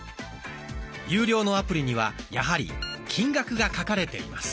有料のアプリにはやはり金額が書かれています。